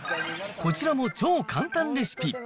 こちらも超簡単レシピ。